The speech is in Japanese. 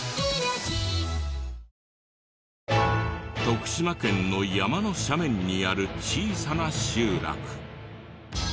徳島県の山の斜面にある小さな集落。